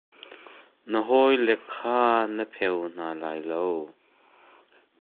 Na hawile kha na pheu hna lai lo.